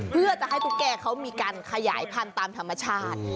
เพื่อจะให้ตุ๊กแก่เขามีการขยายพันธุ์ตามธรรมชาติ